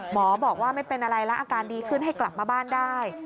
หมอบอกว่าไม่เป็นอะไรแล้วอาการดีขึ้นให้กลับมาบ้านได้